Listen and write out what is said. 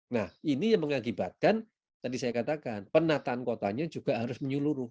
nah ini yang mengakibatkan tadi saya katakan penataan kotanya juga harus menyeluruh